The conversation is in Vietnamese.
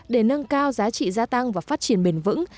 để nâng cao giá trị gia tăng và phát triển bền vững